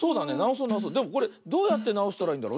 でもこれどうやってなおしたらいいんだろうね？